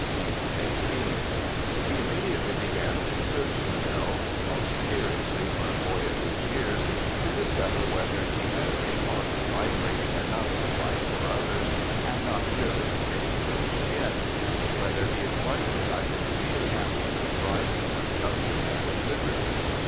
He was eighteen. He immediately began to search himself — most seriously for a boy of his years, to discover whether he has " a heart vibrating enough to fight for others, and not merely to * save his own skin' "; whether he is quite decided to be a " champion of right, of justice, and of liberty."